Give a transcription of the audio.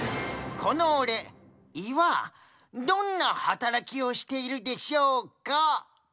このオレ胃はどんな働きをしているでしょうか？